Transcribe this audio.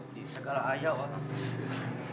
di segala ayau pak